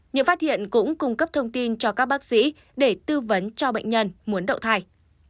nhiều phát hiện cũng cung cấp thông tin cho các bác sĩ để tư vấn cho bệnh nhân muốn đậu thai